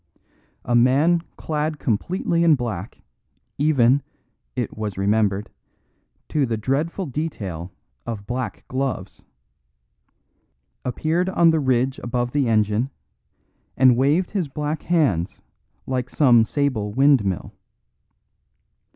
A man clad completely in black, even (it was remembered) to the dreadful detail of black gloves, appeared on the ridge above the engine, and waved his black hands like some sable windmill.